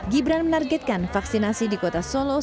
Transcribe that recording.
gibran menargetkan vaksinasi di kota soekarno hartus